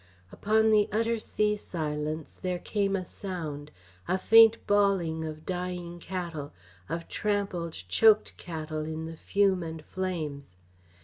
Upon the utter sea silence there came a sound a faint bawling of dying cattle, of trampled, choked cattle in the fume and flames.